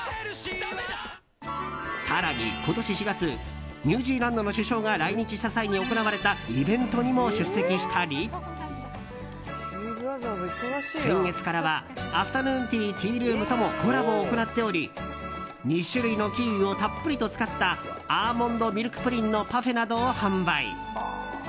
更に今年４月ニュージーランドの首相が来日した際に行われたイベントにも出席したり先月からはアフタヌーンティー・ティールームともコラボを行っており２種類のキウイをたっぷりと使ったアーモンドミルクプリンのパフェなどを販売。